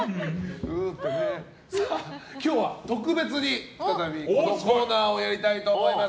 今日は特別に再びこのコーナーをやりたいと思います。